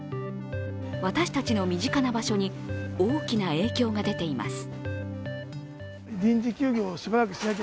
私たちの身近な場所に大きな影響が出ています。